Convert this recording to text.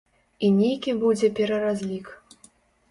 І нейкі будзе пераразлік.